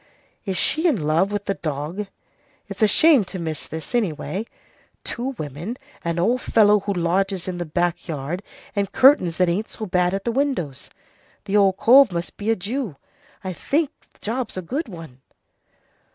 Is she in love with the dog? It's a shame to miss this, anyway. Two women, an old fellow who lodges in the back yard, and curtains that ain't so bad at the windows. The old cove must be a Jew. I think the job's a good one."